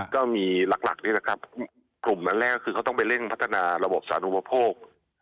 ก็มีหลักนี่แหละครับกลุ่มอันแรกก็คือเขาต้องไปเร่งพัฒนาระบบสาธุปโภค